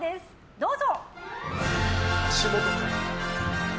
どうぞ！